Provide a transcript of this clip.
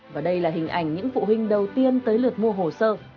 và đây là hình ảnh những phụ huynh đầu tiên tới lượt mua hồ sơ